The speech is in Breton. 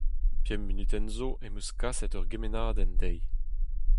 Pemp munutenn zo em eus kaset ur gemennadenn dezhi.